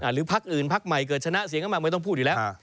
พักอื่นพักใหม่เกิดชนะเสียงข้างมากไม่ต้องพูดอยู่แล้ว